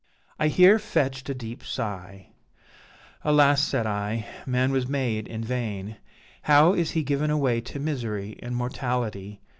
"I here fetched a deep sigh, 'Alas,' said I, 'man was made in vain! How is he given away to misery and mortality!